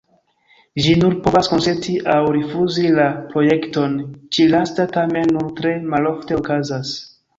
Ĝi nur povas konsenti aŭ rifuzi la projekton; ĉi-lasta tamen nur tre malofte okazas.